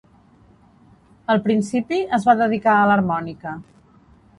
Al principi, es va dedicar a l'harmònica.